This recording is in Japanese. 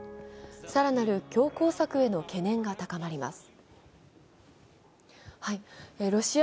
更なる強硬策への懸念が高まります。